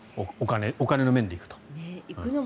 お金の面で行くと。